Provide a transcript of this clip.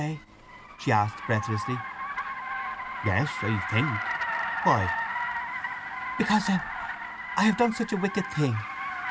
she asked breathlessly. "Yes, I think. Why?" "Because, then, I've done such a wicked thing!"